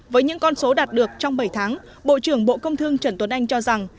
với những con số đạt được trong bảy tháng bộ trưởng bộ công thương trần tuấn anh cho rằng